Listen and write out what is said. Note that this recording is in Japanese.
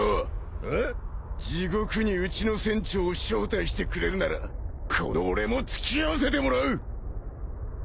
地獄にうちの船長を招待してくれるならこの俺も付き合わせてもらう！